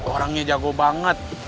orangnya jago banget